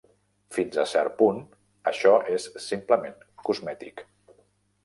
Fins a cert punt, això és simplement cosmètic.